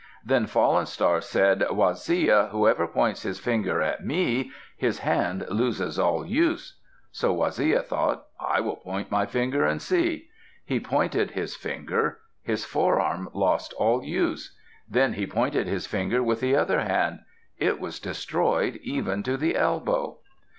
Then Fallen Star said, "Waziya, whoever points his finger at me, his hand loses all use." So Waziya thought, "I will point my finger and see." He pointed his finger. His forearm lost all use. Then he pointed his finger with the other hand. It was destroyed even to the elbow.